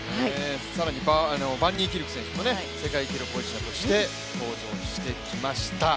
更にバンニーキルク選手も世界記録保持者として登場してきました。